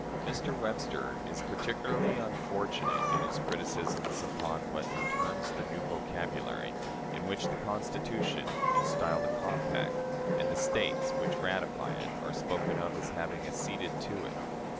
Mr. Webster is particularly unfortunate in his criticisms upon what he terms the "new vocabulary," in which the Constitution is styled a compact, and the States which ratified it are spoken of as having "acceded" to it.